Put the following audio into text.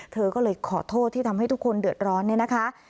เธอก็เลยขอโทษที่ทำให้ทุกคนเดือดร้อนเนี่ยนะคะ